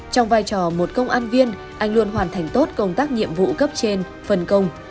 trong vai trò một công an viên anh luôn hoàn thành tốt công tác nhiệm vụ cấp trên phân công